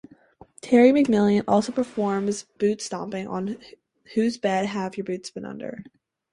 Terry McMillan also performs boot stomping on Whose Bed Have Your Boots Been Under?